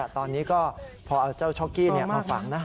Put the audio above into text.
ตอนนี้ก็พอเอาเจ้าช็อกกี้มาฝังนะ